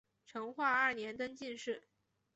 成化二年登进士。